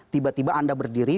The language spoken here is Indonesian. tiba tiba anda berdiri